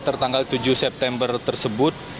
tertanggal tujuh september tersebut